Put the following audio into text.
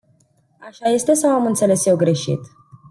Așa este sau am înțeles eu greșit?